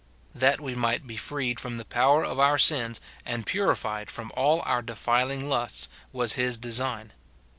That we might be freed from the power of our sins, and purified from all our defiling lusts, was his design.